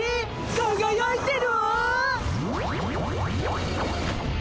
かがやいてるわ！